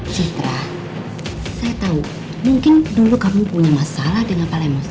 citra saya tahu mungkin dulu kamu punya masalah dengan palembang